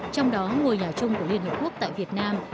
trong đó ngôi nhà chung của liên hợp quốc tại việt nam